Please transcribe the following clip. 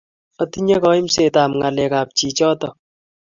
Atinye kaimset ap ng'alek ap chichotok.